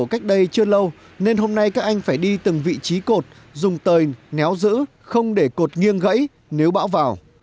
cách đây chưa lâu nên hôm nay các anh phải đi từng vị trí cột dùng tời néo giữ không để cột nghiêng gãy nếu bão vào